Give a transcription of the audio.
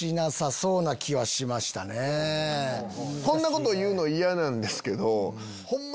こんなこと言うの嫌なんですけどホンマ